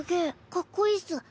かっこいいっす。